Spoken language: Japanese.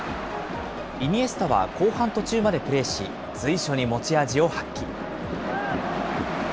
イニエスタは後半途中までプレーし、随所に持ち味を発揮。